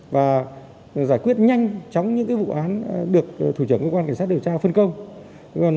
và giải quyết nhanh chóng những vụ án được thủ trưởng cơ quan cảnh sát điều tra phân công